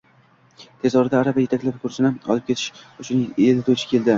Tez orada arava etaklab kursini olib ketish uchun eltuvchi keldi